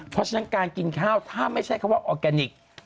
เพราะฉะนั้นการกินข้าวถ้าไม่ใช่คำว่าออร์แกนิค